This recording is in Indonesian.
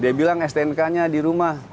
dia bilang stnk nya di rumah